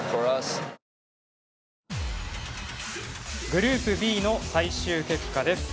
グループＢの最終結果です。